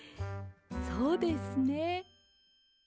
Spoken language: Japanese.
そうですね。